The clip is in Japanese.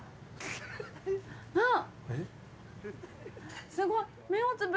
あっ！